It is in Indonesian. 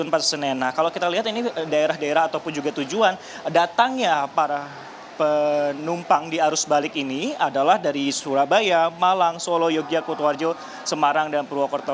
nah kalau kita lihat ini daerah daerah ataupun juga tujuan datangnya para penumpang di arus balik ini adalah dari surabaya malang solo yogyakarta semarang dan purwokerto